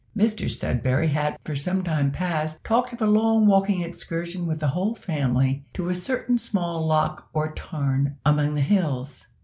Mr Sudberry had, for some time past, talked of a long walking excursion with the whole family to a certain small loch or tarn among the hills.